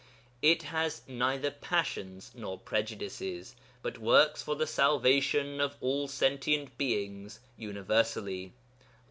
It has neither passions nor prejudices, but works for the salvation of all sentient beings universally.